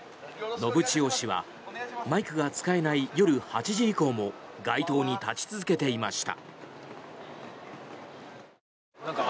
信千世氏はマイクが使えない夜８時以降も街頭に立ち続けていました。